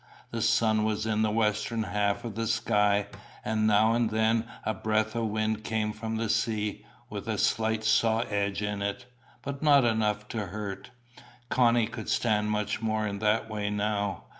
The sun was in the western half of the sky, and now and then a breath of wind came from the sea, with a slight saw edge in it, but not enough to hurt. Connie could stand much more in that way now.